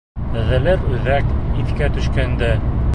Өҙәлер үҙәк, иҫкә төшкәндә...